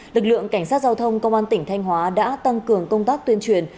lực lượng cảnh sát giao thông công an tỉnh thanh hóa đã tăng cường công tác tuyên truyền